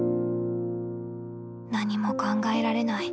何も考えられない。